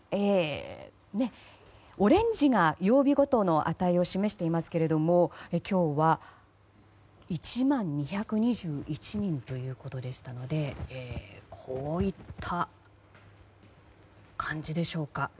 オレンジが曜日ごとの値を示していますけれども今日は１万２２１人ということでしたのでこういった感じでしょうか。